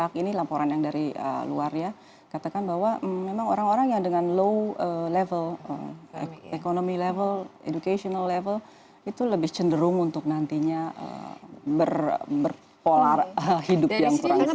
nah ini laporan yang dari luar ya katakan bahwa memang orang orang yang dengan low level economy level educational level itu lebih cenderung untuk nantinya berpola hidup yang kurang sehat